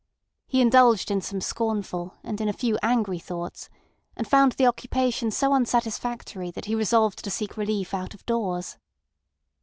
He indulged in some scornful and in a few angry thoughts, and found the occupation so unsatisfactory that he resolved to seek relief out of doors.